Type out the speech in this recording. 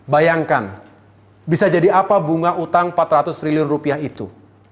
bayangkan bisa jadi apa bunga utang rp empat ratus itu